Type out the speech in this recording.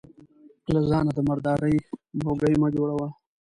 له ځانه د مرداري موږى مه جوړوه.